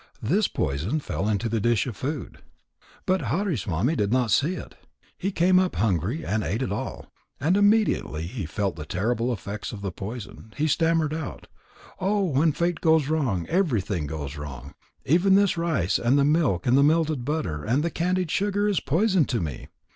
This poison fell into the dish of food. But Hariswami did not see it. He came up hungry, and ate it all. And immediately he felt the terrible effects of the poison. He stammered out: "Oh, when fate goes wrong, everything goes wrong. Even this rice and the milk and the melted butter and the candied sugar is poison to me."